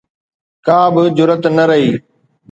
ڪا به جرئت نه رهي